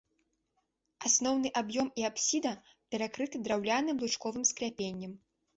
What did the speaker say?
Асноўны аб'ём і апсіда перакрыты драўляным лучковым скляпеннем.